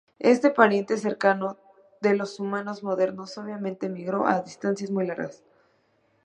Este pariente cercano de los humanos modernos, obviamente, emigró a distancias muy largas.